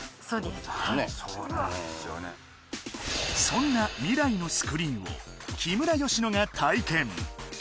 そんな未来のスクリーンを木村佳乃が体験